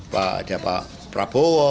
pada pak prabowo